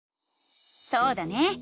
そうだね！